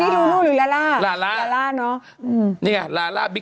ตราฟ๙นะครับ